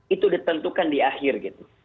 itu ditentukan di akhir gitu